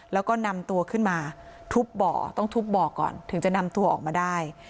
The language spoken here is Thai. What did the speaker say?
แล้วก็นำตัวขึ้นมาทุบบ่อต้องทุบบ่อก่อนถึงจะนำตัวออกมาได้